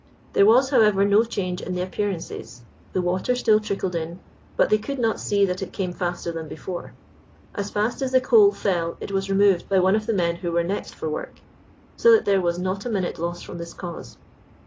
There was, however, no change in the appearances; the water still trickled in, but they could not see that it came faster than before. As fast as the coal fell it was removed by one of the men who were next for work, so that there was not a minute lost from this cause.